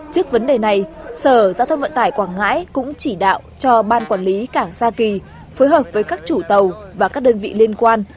trước vấn đề này sở giao thông vận tải quảng ngãi cũng chỉ đạo cho ban quản lý cảng sa kỳ phối hợp với các chủ tàu và các đơn vị liên quan